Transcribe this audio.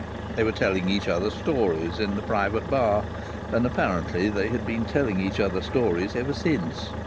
They were telling each other stories in the private bar, and apparently they had been telling each other stories ever since.